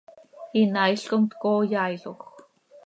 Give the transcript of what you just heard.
Inaail com tcooo yaailoj.